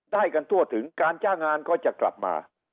ได้กันทั่วถึงการจ้างงานก็จะกลับมา